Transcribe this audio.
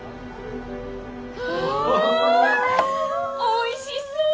おいしそう！